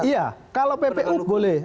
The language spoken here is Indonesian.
iya kalau ppu boleh